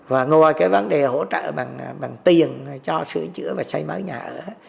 và ngồi vấn đề hỗ trợ bằng tiền cho sửa chữa và xây mới nhà ở